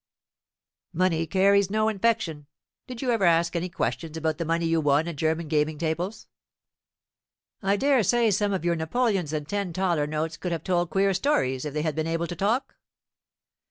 "Money carries no infection. Did you ever ask any questions about the money you won at German gaming tables. I dare say some of your napoleons and ten thaler notes could have told queer stories if they had been able to talk.